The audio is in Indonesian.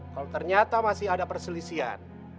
kalau ternyata masih ada perselisihan